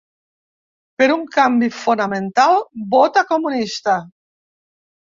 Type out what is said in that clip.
Per un canvi fonamental, vota comunista.